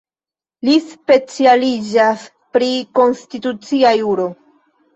Li specialiĝas pri konstitucia juro.